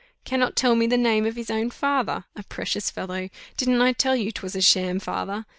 "Cannot tell me the name of his own father! a precious fellow! Didn't I tell you 'twas a sham father?